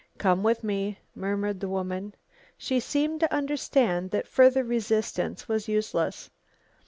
"Come with me," murmured the woman. She seemed to understand that further resistance was useless.